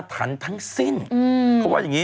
หน้าถันทั้งสิ้นเพราะว่าอย่างนี้